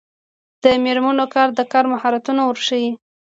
د میرمنو کار د کار مهارتونه ورښيي.